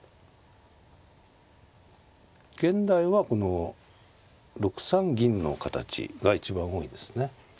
現代はこの６三銀の形が一番多いですね。